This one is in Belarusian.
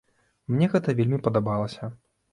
Мне гэта вельмі падабалася.